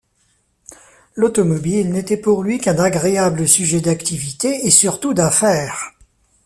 L'automobile n'était pour lui qu'un agréable sujet d'activité et surtout d'affaires.